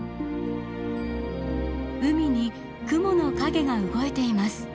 海に雲の影が動いています。